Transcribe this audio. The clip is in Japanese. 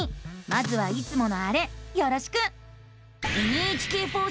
まずはいつものあれよろしく！